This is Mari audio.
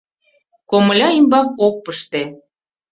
Комыля ӱмбак ок пыште.